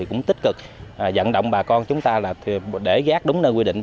cũng tích cực dẫn động bà con chúng ta để rác đúng nơi quy định